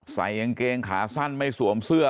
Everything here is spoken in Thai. ใส่กางเกงขาสั้นไม่สวมเสื้อ